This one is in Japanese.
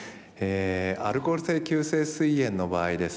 アルコール性急性すい炎の場合ですね